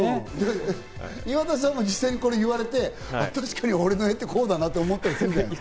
岩田さんも実際にこれ言われて、確かに俺の絵ってこうだなって思ったりする？